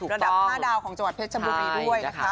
ระดับ๕ดาวของจังหวัดเพชรชมบุรีด้วยนะคะ